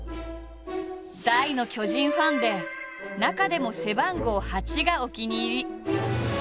大の巨人ファンで中でも背番号「８」がお気に入り。